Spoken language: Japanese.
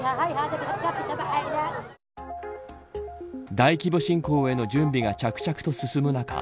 大規模侵攻への準備が着々と進む中